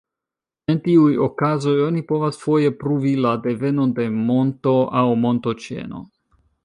En tiuj okazoj oni povas foje pruvi la devenon de monto aŭ montoĉeno.